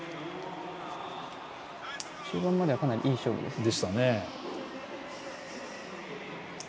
中盤まではかなりいい勝負でしたね。